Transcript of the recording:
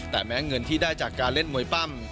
แต่แม้เงินที่ได้จากการเล่นมวยปั้ม